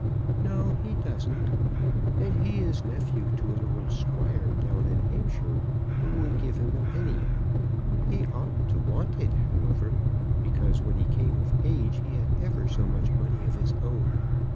"No; he doesn't. And he is nephew to an old squire down in Hampshire, who won't give him a penny. He oughtn't to want it, however, because when he came of age he had ever so much money of his own.